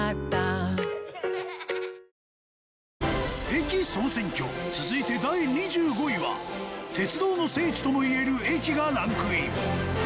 『駅総選挙』続いて第２５位は鉄道の聖地ともいえる駅がランクイン。